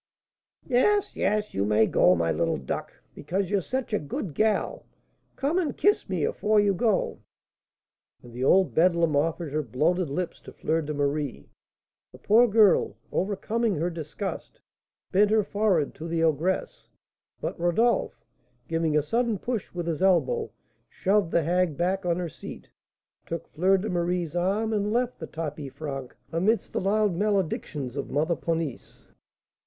"Yes, yes, you may go, my little duck, because you're such a good gal. Come and kiss me afore you go." And the old beldam offered her bloated lips to Fleur de Marie. The poor girl, overcoming her disgust, bent her forehead to the ogress, but Rodolph, giving a sudden push with his elbow, shoved the hag back on her seat, took Fleur de Marie's arm, and left the tapis franc, amidst the loud maledictions of Mother Ponisse.